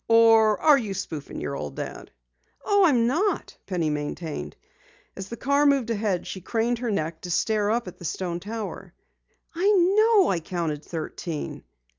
"Or are you spoofing your old Dad?" "Oh, I'm not," Penny maintained. As the car moved ahead, she craned her neck to stare up at the stone tower. "I know I counted thirteen.